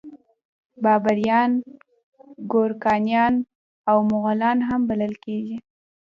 بابریان ګورکانیان او مغولان هم بلل کیږي.